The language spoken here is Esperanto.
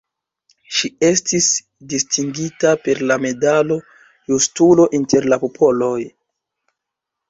Ŝi estis distingita per la medalo Justulo inter la popoloj.